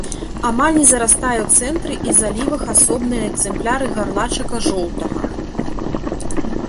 Амаль не зарастае, у цэнтры і залівах асобныя экзэмпляры гарлачыка жоўтага.